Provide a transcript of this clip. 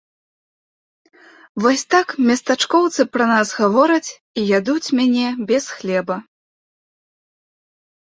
Вось так местачкоўцы пра нас гавораць і ядуць мяне без хлеба.